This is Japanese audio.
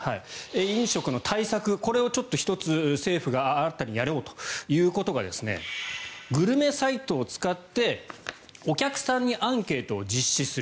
飲食の対策、これを１つ政府が新たにやろうということがグルメサイトを使ってお客さんにアンケートを実施する。